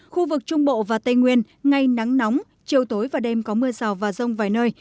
khu vực trung bộ và tây nguyên ngày nắng nóng chiều tối và đêm có mưa rào và rông vài nơi